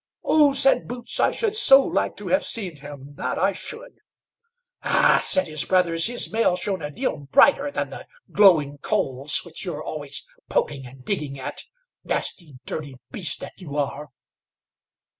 "Oh!" said Boots, "I should so like to have seen him, that I should." "Ah!" said his brothers, "his mail shone a deal brighter than the glowing coals which you are always poking and digging at; nasty dirty beast that you are."